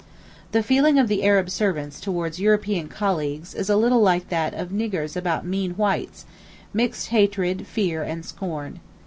The feeling of the Arab servants towards European colleagues is a little like that of 'niggers' about 'mean whites'—mixed hatred, fear, and scorn.